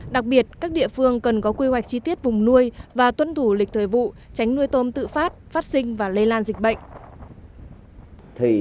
đặc biệt các địa phương cần có quy hoạch chi tiết vùng nuôi và tuân thủ lịch thời vụ tránh nuôi tôm tự phát phát sinh và lây lan dịch bệnh